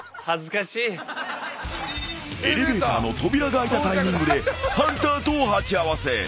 ［エレベーターの扉が開いたタイミングでハンターと鉢合わせ］